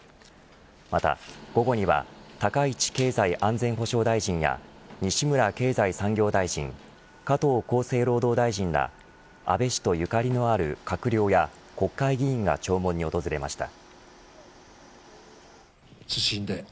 また、午後には高市経済上安全保障大臣や西村経済産業大臣加藤厚生労働大臣ら安倍氏とゆかりのある閣僚や国会議員が弔問に訪れました。